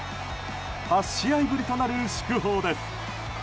８試合ぶりとなる祝砲です。